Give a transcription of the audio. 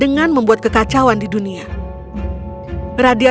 mungkin dia membeli kekuatan yang lain